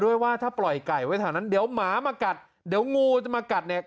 ว่าถ้าปล่อยไก่ไว้แถวนั้นเดี๋ยวหมามากัดเดี๋ยวงูจะมากัดเนี่ย